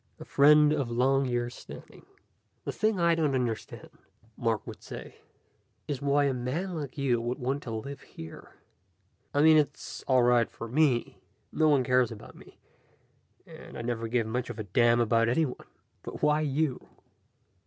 A friend of long years' standing. "The thing I don't understand," Mark would say, "is why a man like you wants to live here. I mean, it's all right for me. No one cares about me, and I never gave much of a damn about anyone. But why you?"